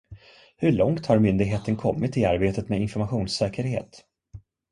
Hur långt har myndigheten kommit i arbetet med informationssäkerhet?